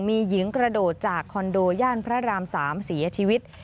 มีหญิงกระโดดจากคอนโดย่านพระราม๓เสียชีวิต